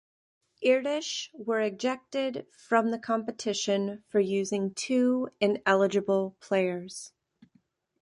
Irtysh were ejected from the competition for using two ineligible players.